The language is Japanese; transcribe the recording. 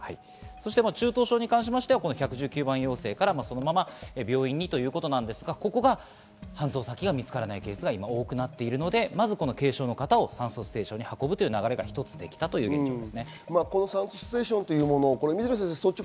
中等症に関しては１１９番要請からそのまま病院にということなんですが、ここで搬送先が見つからないケースが多くなっているので、まずは軽症の方を酸素ステーションに運ぶ流れができたということです。